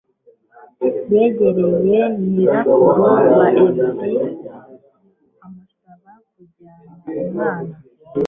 yegereye nyirakuru wa edi amusaba kujyana umwana